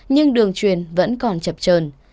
nhưng đường truyền vẫn còn chập trờn